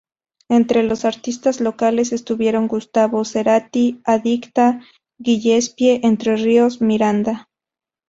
Entre los artistas locales estuvieron Gustavo Cerati, Adicta, Gillespie, Entre Ríos, Miranda!